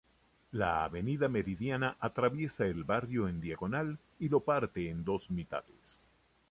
La avenida Meridiana atraviesa el barrio en diagonal y lo parte en dos mitades.